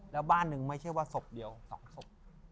แล้วบ้านหนึ่งไม่ใช่ว่าศพเดียว๒ศพ